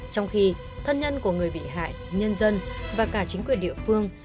trong khi thân nhân của người bị hại nhân dân và cả chính quyền địa phương